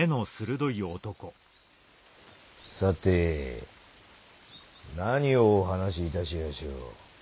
さて何をお話しいたしやしょう？